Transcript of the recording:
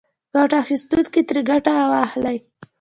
ګټه اخیستونکي ترې ښه ګټه واخلي.